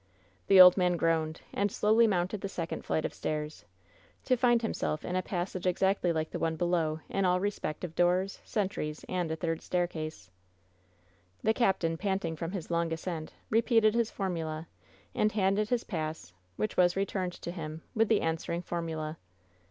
The old man groaned, and slowly mounted the second flight of stairs, to find himself in a passage exactly like the one below in all respects of doors, sentries, and a third staircase. The captain, panting from his long ascent, repeated his formula, and handed his pass, which was returned to him, with the answering formula.